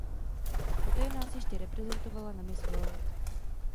Poté nás ještě reprezentovala na Miss World.